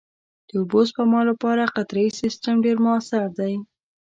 د اوبو سپما لپاره قطرهيي سیستم ډېر مؤثر دی.